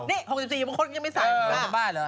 นี่๖๔มันยังไม่ใส่หรือเปล่าอ๋อพนักบ้านเหรอ